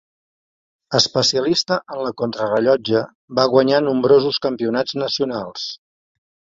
Especialista en la contrarellotge, va guanyar nombrosos campionats nacionals.